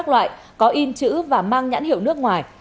các loại có in chữ và mang nhãn hiệu nước ngoài